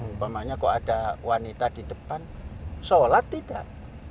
mumpamanya kok ada wanita di depan sholat tidak